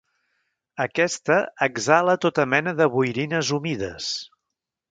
Aquesta exhala tota mena de boirines humides.